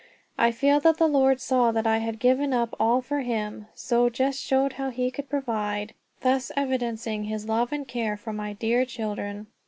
I feel that the Lord saw that I had given up all for him, so just showed how he could provide, thus evidencing his love and care for my dear children.